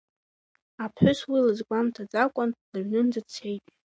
Аԥҳәыс уи лызгәамҭаӡакәан лыҩнынӡа дцеит.